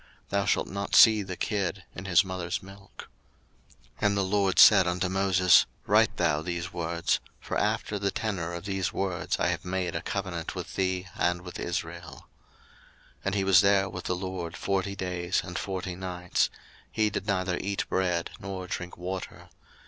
Thou shalt not seethe a kid in his mother's milk. 02:034:027 And the LORD said unto Moses, Write thou these words: for after the tenor of these words I have made a covenant with thee and with Israel. 02:034:028 And he was there with the LORD forty days and forty nights; he did neither eat bread, nor drink water.